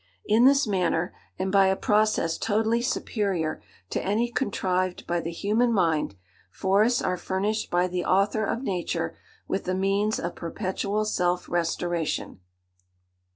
In this manner, and by a process totally superior to any contrived by the human mind, forests are furnished by the Author of nature with the means of perpetual self restoration.